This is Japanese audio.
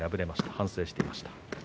反省していました。